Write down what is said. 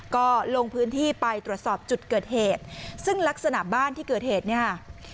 ก็ลงพื้นที่ไปตรวจสอบจุดเกิดเหตุซึ่งลักษณะบ้านที่เกิดเหตุเนี่ยค่ะ